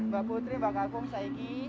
mbak putri mbak kakung saya ini